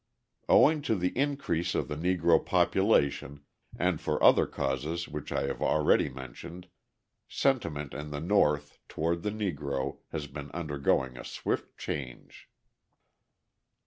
Owing to the increase of the Negro population and for other causes which I have already mentioned, sentiment in the North toward the Negro has been undergoing a swift change.